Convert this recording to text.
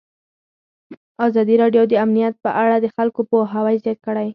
ازادي راډیو د امنیت په اړه د خلکو پوهاوی زیات کړی.